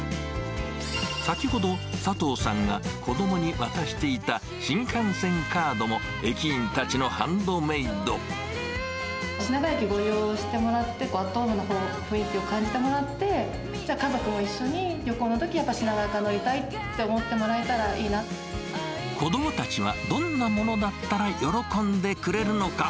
先ほど佐藤さんが子どもに渡していた新幹線カードも駅員たちのハ品川駅をご利用してもらって、アットホームな雰囲気を感じてもらって、じゃあ家族と一緒に旅行のとき、やっぱり品川から乗りたいと思っ子どもたちはどんなものだったら喜んでくれるのか。